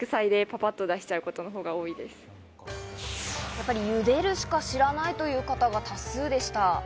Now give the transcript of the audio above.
やっぱり茹でるしか知らないという方が多数でした。